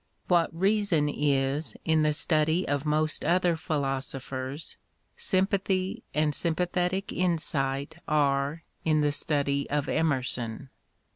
What reason is in the study of most other philosophers, sympathy and sympathetic insight are in the study of Emerson.